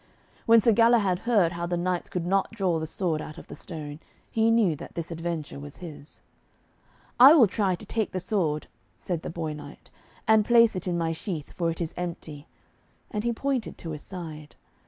When Sir Galahad heard how the knights could not draw the sword out of the stone, he knew that this adventure was his. 'I will try to take the sword,' said the boy knight, 'and place it in my sheath, for it is empty,' and he pointed to his side.